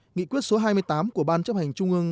nghị quyết số hai mươi tám của ban chấp hành trung ương